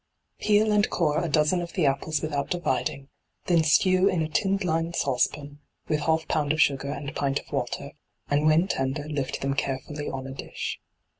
Peel and core a dozen of the apples without dividing , then stew in a tin lined saucepan with half pound of sugar and pint of water, and when tender lift them carefully on a dish.